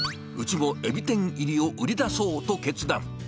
うちもエビ天入りを売り出そう！と決断。